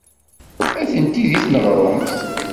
Atenti deg tneɣrumt.